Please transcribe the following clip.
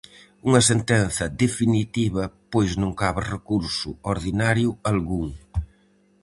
Unha sentenza definitiva pois non cabe recurso ordinario algún.